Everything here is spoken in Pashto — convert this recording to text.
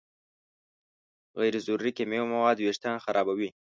غیر ضروري کیمیاوي مواد وېښتيان خرابوي.